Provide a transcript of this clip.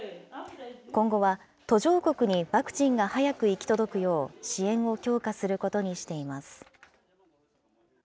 今後は途上国にワクチンが早く行き届くよう、支援を強化することにしています。